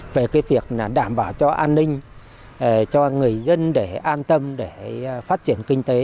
về cái việc đảm bảo cho an ninh cho người dân để an tâm để phát triển kinh tế